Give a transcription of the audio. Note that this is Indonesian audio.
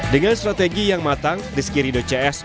dengan strategi yang matang di sekiri dcs